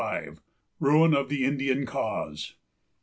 1765. RUIN OF THE INDIAN CAUSE.